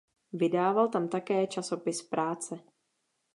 Vydával tam také časopis "Práce".